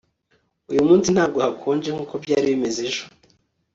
Uyu munsi ntabwo hakonje nkuko byari bimeze ejo